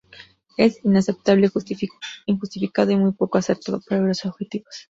Es inaceptable, injustificado y muy poco acertado para lograr sus objetivos.